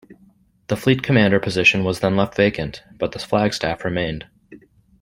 The fleet commander position was then left vacant, but the flag staff remained.